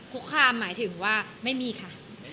คุกคามหมายถึงว่าไม่มีค่ะ